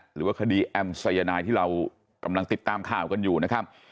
หรือว่าคดีแอมสายนายที่เรากำลังติดตามข่าวกันอยู่นะครับ